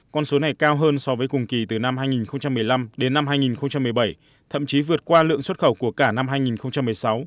con số này cao hơn so với cùng kỳ từ năm hai nghìn một mươi năm đến năm hai nghìn một mươi bảy thậm chí vượt qua lượng xuất khẩu của cả năm hai nghìn một mươi sáu